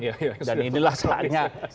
iya iya sudah cukup panjang